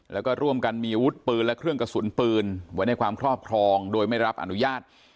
แล้วก็ร่วมกันมีอาวุธปืนและเครื่องกระสุนปืนไว้ในความครอบครองโดยไม่รับอนุญาต